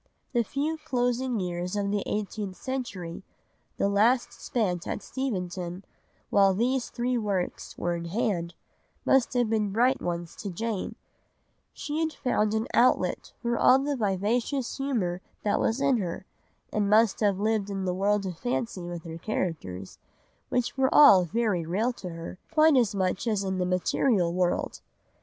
The few closing years of the eighteenth century, the last spent at Steventon, while these three works were in hand, must have been bright ones to Jane; she had found an outlet for all the vivacious humour that was in her, and must have lived in the world of fancy with her characters, which were all very real to her, quite as much as in the material world.